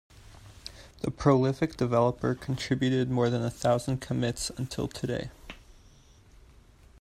The prolific developer contributed more than a thousand commits until today.